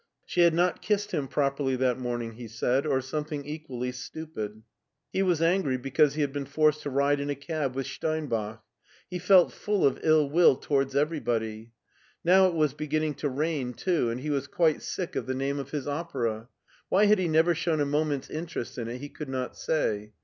She had not kissed him properly that morning, he said, or something equally stupid. He was angry because he had been forced to ride in a cab with Steinbach. He felt full of ill will towards every body. Now it was beginning to rain too, and he was quite sick of the name of his opera. Why he had ever shown a moment's interest in it he could not say.